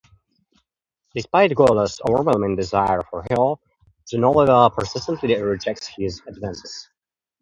Despite Golo's overwhelming desire for her, Genoveva persistently rejects his advances.